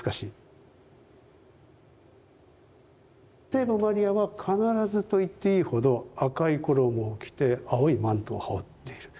聖母マリアは必ずと言っていいほど赤い衣を着て青いマントを羽織っている。